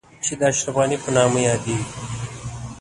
چې د اشرف غني په نامه يادېږي.